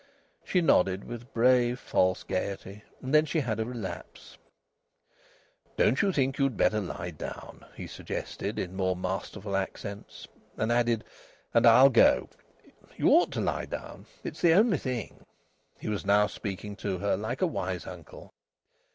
She nodded with brave, false gaiety. And then she had a relapse. "Don't you think you'd better lie down?" he suggested in more masterful accents. And added; "And I'll go....? You ought to lie down. It's the only thing." He was now speaking to her like a wise uncle.